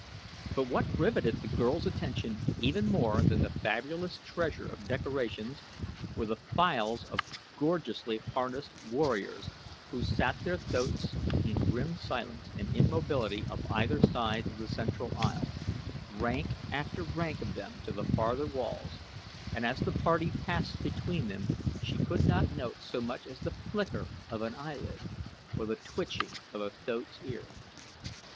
But what riveted the girl's attention even more than the fabulous treasure of decorations were the files of gorgeously harnessed warriors who sat their thoats in grim silence and immobility on either side of the central aisle, rank after rank of them to the farther walls, and as the party passed between them she could not note so much as the flicker of an eyelid, or the twitching of a thoat's ear.